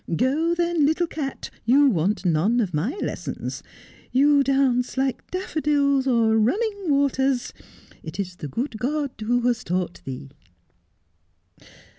Go then, little cat, you want none of my lessons. You dance like daffodils, or running waters. It is the good God who has taught thee.'